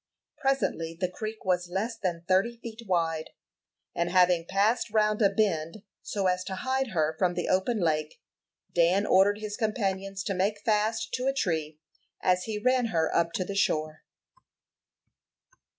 Presently the creek was less than thirty feet wide; and having passed round a bend so as to hide her from the open lake, Dan ordered his companions to make fast to a tree, as he ran her up to the shore.